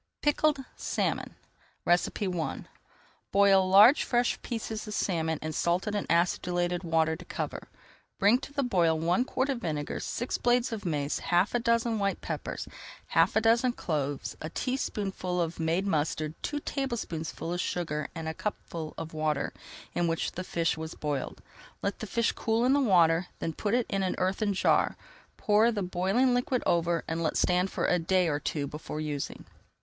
PICKLED SALMON I Boil large fresh pieces of salmon in salted and acidulated water to cover. Bring to the boil one quart of vinegar, six blades of mace, half a dozen white peppers, half a dozen cloves, a teaspoonful of made mustard, two tablespoonfuls of sugar, and a cupful of water in which the fish was boiled. Let the fish cool in the water, then put it in an earthen jar, pour the boiling liquid over, and let stand for a day or two before using.